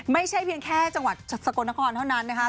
ไม่ใช่เพียงแค่จังหวัดสกลนครเท่านั้นนะคะ